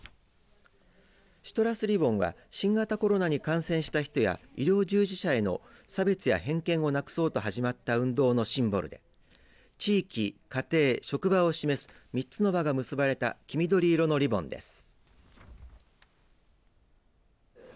シトラスリボンは新型コロナに感染した人や医療従事者への差別や偏見をなくそうと始まった運動のシンボルで地域・家庭・職場を示す３つの輪が結ばれた黄緑色のリボンです。